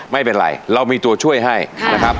ไม่เป็นไรเรามีตัวช่วยให้นะครับ